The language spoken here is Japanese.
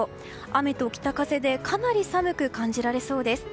雨と北風でかなり寒く感じられそうです。